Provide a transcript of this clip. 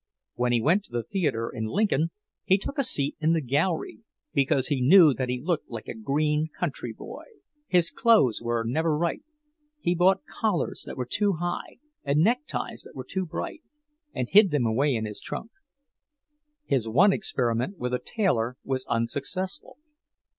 When he went to the theatre in Lincoln, he took a seat in the gallery, because he knew that he looked like a green country boy. His clothes were never right. He bought collars that were too high and neckties that were too bright, and hid them away in his trunk. His one experiment with a tailor was unsuccessful.